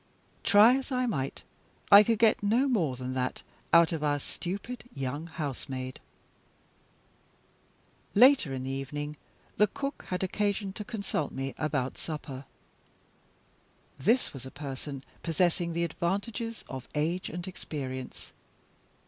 Try as I might, I could get no more than that out of our stupid young housemaid. Later in the evening, the cook had occasion to consult me about supper. This was a person possessing the advantages of age and experience.